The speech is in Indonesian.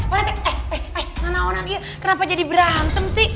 eh eh eh nana onan kenapa jadi berantem sih